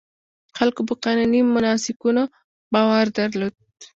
خلکو په قانوني مناسکونو باور درلود.